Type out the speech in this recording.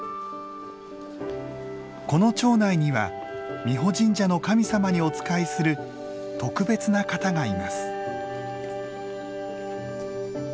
この町内には美保神社の神様にお仕えする特別な方がいます。